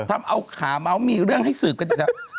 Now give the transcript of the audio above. ทำเอาขาเมาส์มีเรื่องให้สืบกันอีกแล้ว